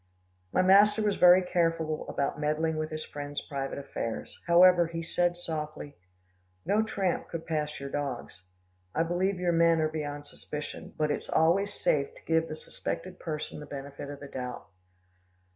My master was very careful about meddling with his friend's private affairs; however he said softly, "No tramp could pass your dogs. I believe your men are beyond suspicion, but it's always safe to give the suspected person the benefit of the doubt."